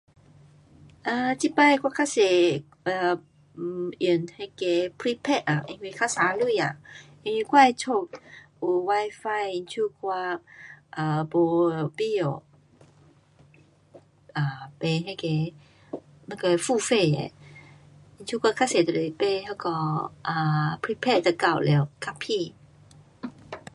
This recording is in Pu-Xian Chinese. um 这次我较多啊 um 用那个 prepaid 啊,因为较省钱啊，因为我的家有 WiFi, 因此我 um 没必要 um 买那个付费的，像我较多就买那个 prepaid 就够了，较便。